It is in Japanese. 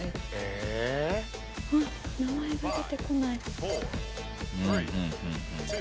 ・名前が出てこない。